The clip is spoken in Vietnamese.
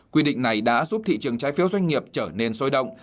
quy định này đã giúp thị trường trái phiếu doanh nghiệp trở nên sôi động